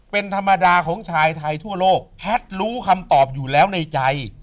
เป็นธรรมดาของชายไทยทั่วโลกแพทย์รู้คำตอบอยู่แล้วในใจ